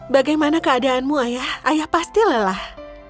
bagaimana keadaanmu ayah ayah pasti lelah